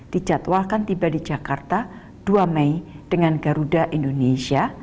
dijadwalkan tiba di jakarta dua mei dengan garuda indonesia